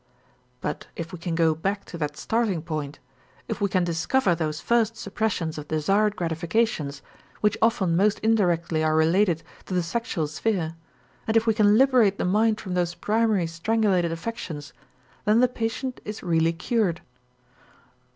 But if we can go back to that starting point, if we can discover those first suppressions of desired gratifications which often most indirectly are related to the sexual sphere, and if we can liberate the mind from those primary strangulated affections, then the patient is really cured.